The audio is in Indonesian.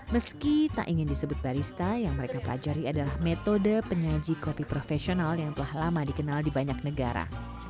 meski tak ingin disebut barista yang mereka pelajari adalah metode penyaji kopi profesional yang telah lama dikenal di banyak negara